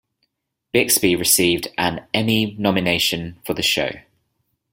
Bixby received an Emmy nomination for the show.